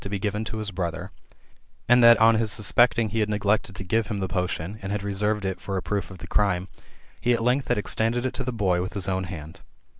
1 75 given to his brother; and that on his suspecting he had neglected to give him the potion, and had reserved it for a proof of the crime, he at length had extended it to the boy with his own hand."